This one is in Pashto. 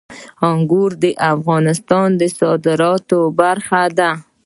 انګور د افغانستان د صادراتو برخه ده.